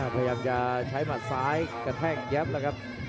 เปิดเกมมาผู่เลยครับ